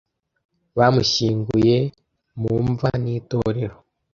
Bamushyinguye mu mva n'itorero.